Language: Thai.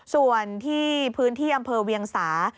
ส่วนที่พื้นที่อำเภอเวียงสา